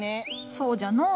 そうじゃのう。